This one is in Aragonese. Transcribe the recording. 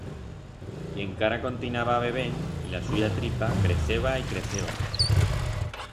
Y encara continaba bebend y la suya tripa creceba y creceba...